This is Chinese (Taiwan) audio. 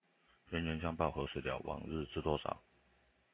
冤冤相報何時了，往事知多少